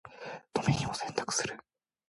ドメインを選択する